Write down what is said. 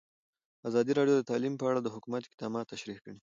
ازادي راډیو د تعلیم په اړه د حکومت اقدامات تشریح کړي.